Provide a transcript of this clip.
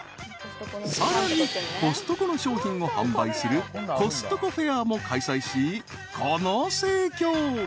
［さらにコストコの商品を販売するコストコフェアも開催しこの盛況］